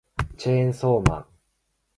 チェーンソーマン